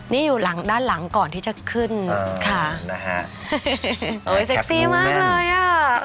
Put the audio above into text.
นี่อยู่หลังด้านหลังก่อนที่จะขึ้นค่ะนะฮะโอ้ยเซ็กซี่มากเลยอ่ะ